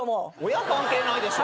親関係ないでしょ。